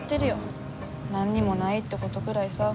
何にもないってことぐらいさ。